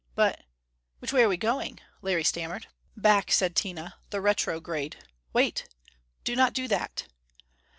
"But which way are we going?" Larry stammered. "Back," said Tina. "The retrograde.... Wait! Do not do that!"